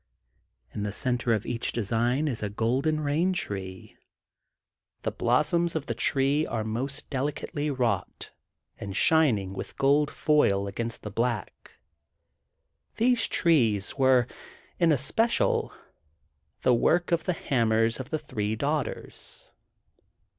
In the center of each design is a Gol den Rain Tree. The blossoms of the tree are most delicately wrought, and shining with gold foil against the black. These trees were, in especial, the work of the hammers of the three daughters.